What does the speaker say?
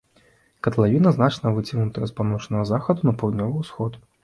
Катлавіна значна выцягнутая з паўночнага захаду на паўднёвы ўсход.